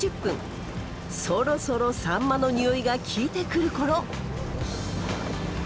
そろそろサンマのにおいが効いてくる頃。